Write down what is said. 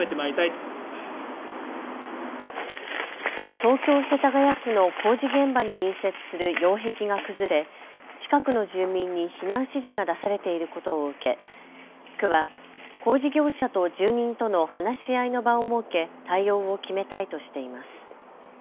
東京世田谷区の工事現場に隣接する擁壁が崩れ近くの住民に避難指示が出されていることを受け区は工事業者と住人との話し合いの場を設け対応を決めたいとしています。